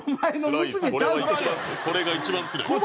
これが一番つらい。